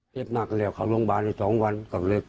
เจ็บมากแล้วเขาโรงพยาบาลใน๒วันก็เลย